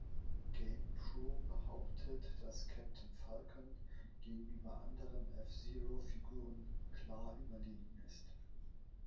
GamePro behauptet, dass Captain Falcon gegenüber anderen F-Zero-Figuren „klar überlegen“ ist.